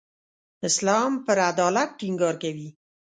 اسلام پر عدالت ټینګار کوي.